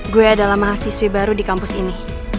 gue adalah mahasiswi baru di kampus ini